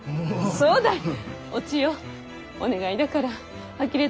そうだに。